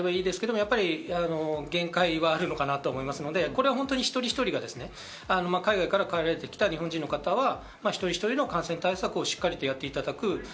やっぱり限界はあるのかなと思うので、一人一人が海外から帰られてきた日本人の方は一人一人の感染対策をしっかりとやっていただく。